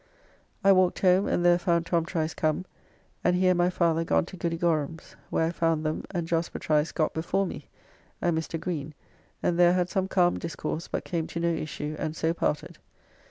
I walked home, and there found Tom Trice come, and he and my father gone to Goody Gorum's, where I found them and Jaspar Trice got before me, and Mr. Greene, and there had some calm discourse, but came to no issue, and so parted.